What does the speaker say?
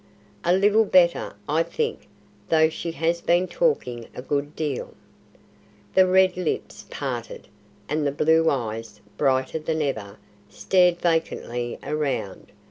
"A little better, I think, though she has been talking a good deal." The red lips parted, and the blue eyes, brighter than ever, stared vacantly around.